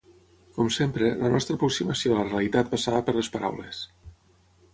Com sempre, la nostra aproximació a la realitat passava per les paraules.